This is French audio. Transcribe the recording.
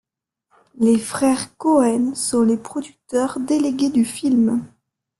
Les frères Cohen sont les producteurs délégués du film.